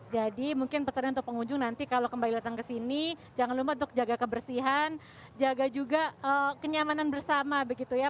mungkin pertanyaan atau pengunjung nanti kalau kembali datang ke sini jangan lupa untuk jaga kebersihan jaga juga kenyamanan bersama begitu ya